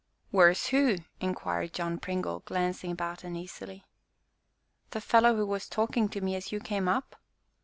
"Where's who?" inquired John Pringle, glancing about uneasily. "The fellow who was talking to me as you came up?"